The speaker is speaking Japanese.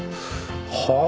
はあ。